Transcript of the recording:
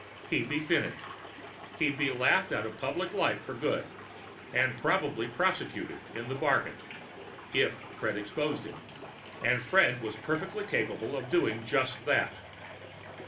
He'd be finished. He'd be laughed out of public life for good and probably prosecuted in the bargain if Fred exposed him. And Fred was perfectly capable of doing just that.